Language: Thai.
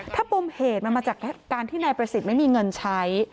ถ้าปมเหตุมันมาจากการที่นายประสิทธิ์ไม่มีเงินใช้